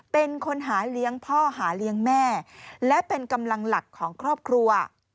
เป็นคนหาเลี้ยงพ่อหาเลี้ยงแม่และเป็นกำลังหลักของครอบครัว